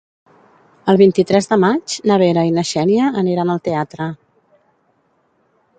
El vint-i-tres de maig na Vera i na Xènia aniran al teatre.